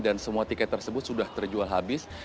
dan semua tiket tersebut sudah terjual habis